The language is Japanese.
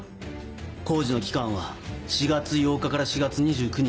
工事の期間は４月８日から４月２９日。